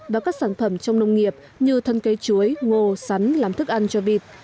và các sản phẩm trong nông nghiệp như thân cây chuối ngô sắn làm thức ăn cho vịt